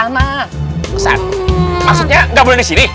maksudnya enggak boleh disini